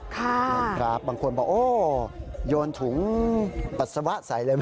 ค่ะนั่นครับบางคนบอกโอ้ยโยนถุงปัสสาวะใสเลยมั้ย